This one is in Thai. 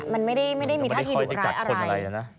มันไม่ได้มีท่าทีดุร้ายอะไร